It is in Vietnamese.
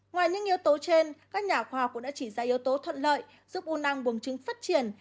ngoài những yếu tố trên các nhà khoa học cũng đã chỉ ra yếu tố thuận lợi giúp u năng bùm trứng phát triển